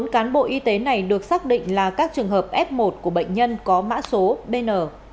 bốn cán bộ y tế này được xác định là các trường hợp f một của bệnh nhân có mã số bn